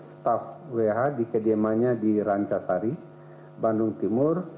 staff wh di kediamannya di rancasari bandung timur